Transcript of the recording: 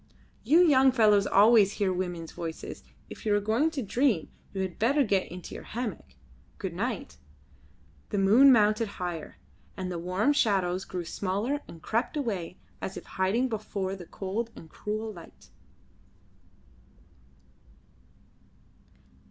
"You young fellows always hear women's voices. If you are going to dream you had better get into your hammock. Good night." The moon mounted higher, and the warm shadows grew smaller and crept away as if hiding before the cold and cruel light.